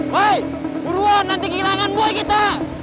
hei muluan nanti kehilangan boy kita